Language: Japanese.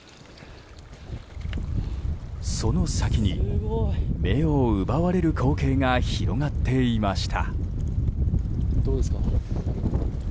その先に、目を奪われる光景が広がっていました。